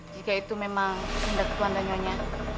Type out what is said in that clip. jika itu memang tanda tuan dan nyonya